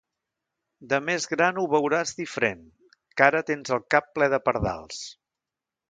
De més gran ho veuràs diferent, que ara tens el cap ple de pardals.